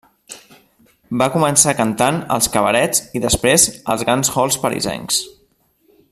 Va començar cantant als cabarets i després als grans halls parisencs.